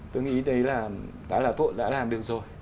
tôi nghĩ đấy là đã làm được rồi